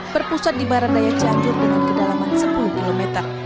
berpusat di barat daya cianjur dengan kedalaman sepuluh km